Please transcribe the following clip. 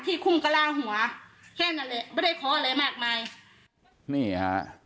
ที่คุมกระราหัวแค่นั้นเลยไม่ได้ขออะไรมากมายนี่ค่ะ